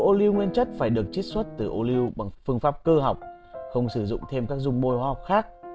dầu ô lưu nguyên chất phải được chích xuất từ ô lưu bằng phương pháp cơ học không sử dụng thêm các dung bôi hoa học khác